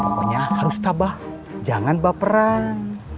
pokoknya harus tabah jangan baperan